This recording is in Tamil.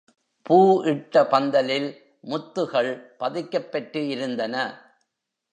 பூ இட்ட பந்தலில் முத்துகள் பதிக்கப் பெற்று இருந்தன.